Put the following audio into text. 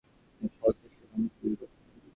এত পথ এসেছিস আমাকে গুলি করতে?